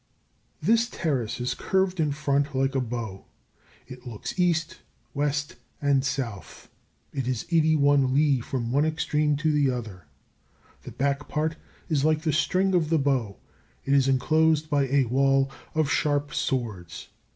This Terrace is curved in front like a bow; it looks east, west, and south. It is eighty one li from one extreme to the other. The back part is like the string of the bow; it is enclosed by a wall of sharp swords.